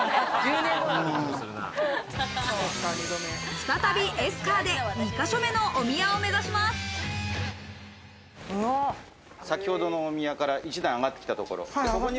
再びエスカーで２か所目のお先ほどのお宮から一段上がってきたところ。